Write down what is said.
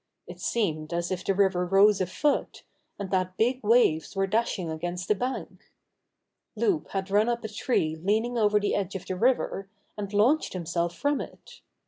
It seemed as if the river rose a foot, and that big waves were dashing against the bank. Loup had run up a tree leaning over the edge of the river, and launched himself from it.